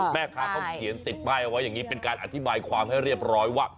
แม่ค้าเขาเขียนติดป้ายเอาไว้อย่างนี้เป็นการอธิบายความให้เรียบร้อยว่า